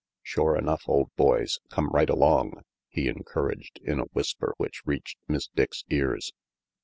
"Shore enough, old boys, come right along," he encouraged in a whisper which reached Miss Dick's ears.